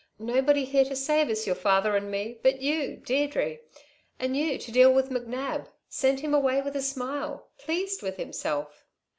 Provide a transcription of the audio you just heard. "Nobody here to save us, your father and me, but you, Deirdre! And you to deal with McNab send him away with a smile pleased with himself."